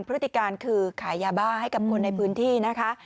พฤติการคือขายยาบ้าให้กับคนในพื้นที่นะคะ